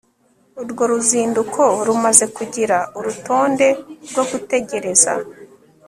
Urwo ruzinduko rumaze kugira urutonde rwo gutegereza